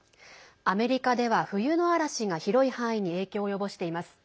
アメリカでは冬の嵐が広い範囲に影響を及ぼしています。